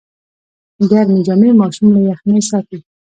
ګرمې جامې ماشوم له یخنۍ ساتي۔